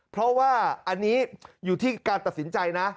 เพราะว่าอันนี้อยู่ที่การตัดสินใจนะ